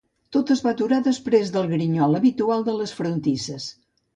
Tot es va aturar després del grinyol habitual de les frontisses.